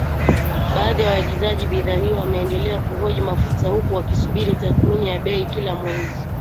Baadhi ya waagizaji bidhaa hiyo wameendelea kuhoji mafuta, huku wakisubiri tathmini ya bei kila mwezi.